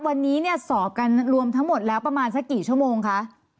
วันนี้เนี่ยสอบกันรวมทั้งหมดแล้วประมาณสักกี่ชั่วโมงคะ